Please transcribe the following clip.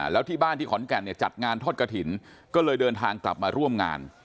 แล้วที่บ้านที่ขอนแก่นเนี่ยจัดงานทอดกระถิ่นก็เลยเดินทางกลับมาร่วมงาน